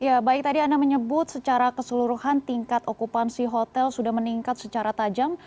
ya baik tadi anda menyebut secara keseluruhan tingkat okupansi hotel sudah meningkat secara tajam